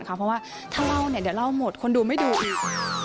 เพราะว่าถ้าเล่าเนี่ยเดี๋ยวเล่าหมดคนดูไม่ดูอีก